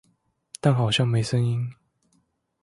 但好像沒聲音